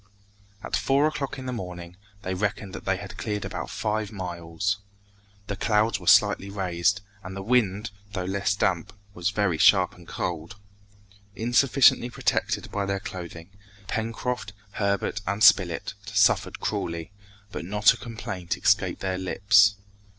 At four o'clock in the morning, they reckoned that they had cleared about five miles. The clouds were slightly raised, and the wind, though less damp, was very sharp and cold. Insufficiently protected by their clothing, Pencroft, Herbert and Spilett suffered cruelly, but not a complaint escaped their lips.